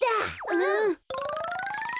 うん！